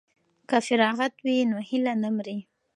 که فراغت وي نو هیله نه مري.